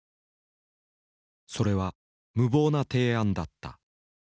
それは無謀な提案だった。